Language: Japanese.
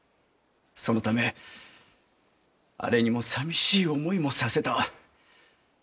そのためあれにも寂しい思いもさせた。